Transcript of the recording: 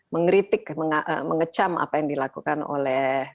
mengeritik mengecam apa yang dilakukan oleh